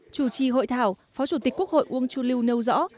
chủ trì hội thảo phó chủ tịch quốc hội uông chu lưu nêu rõ